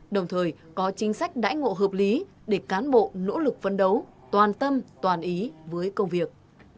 đồng thời có chính sách đãi ngộ hợp lý để cán bộ nỗ lực phấn đấu toàn tâm toàn ý với công việc